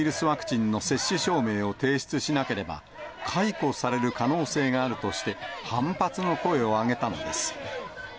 ワクチンの接種証明を提出しなければ解雇される可能性があるとして、反発の声を上げたのです。